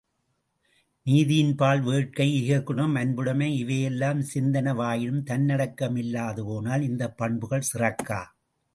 நீதியின் பால் வேட்கை, ஈகைக்குணம், அன்புடைமை இவையெல்லாம் சிறந்தனவாயினும் தன்னடக்கமில்லாது போனால், இந்தப் பண்புகள் சிறக்கா.